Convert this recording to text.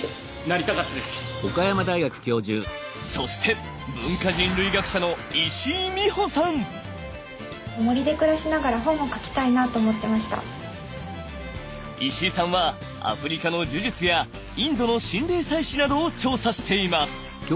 そして石井さんはアフリカの呪術やインドの神霊祭祀などを調査しています。